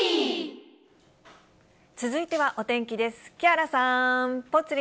続いてはお天気です。